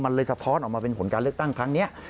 มันเลยสะท้อนออกมาเป็นผลการเลือกตั้งครั้งนี้